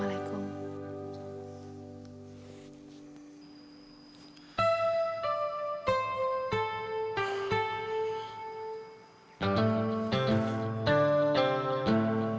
ya sampai ketemu ya